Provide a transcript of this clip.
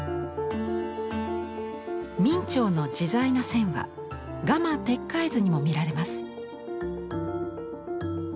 明兆の自在な線は「蝦蟇鉄拐図」にも見られます。